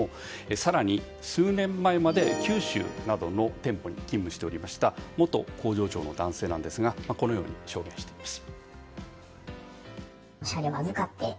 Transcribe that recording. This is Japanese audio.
更に、数年前まで九州などの店舗に勤務しておりました元工場長の男性なんですがこのように証言しています。